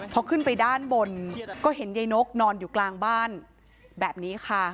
พอขึ้นไปด้านบนก็เห็นยายนกนอนอยู่กลางบ้านแบบนี้ค่ะ